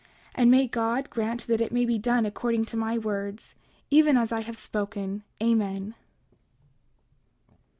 And may God grant that it may be done according to my words, even as I have spoken. Amen.